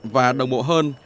và đồng bộ hơn